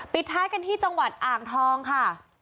ท้ายกันที่จังหวัดอ่างทองค่ะ